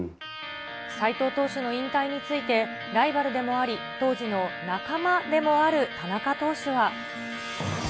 斎藤投手の引退について、ライバルでもあり、当時の仲間でもある田中投手は。